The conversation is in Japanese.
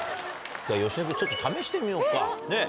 じゃあ芳根君ちょっと試してみようかねっ。